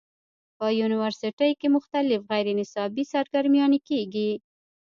پۀ يونيورسټۍ کښې مختلف غېر نصابي سرګرميانې کيږي